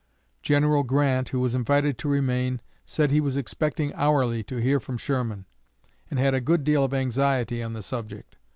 General Grant, who was invited to remain, said he was expecting hourly to hear from Sherman, and had a good deal of anxiety on the subject.